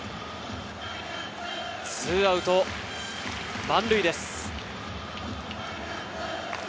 ２アウト満塁です。